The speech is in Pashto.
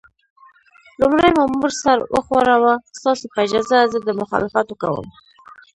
لومړي مامور سر وښوراوه: ستاسو په اجازه، زه د دې مخالفت کوم.